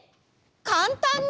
かんたんに？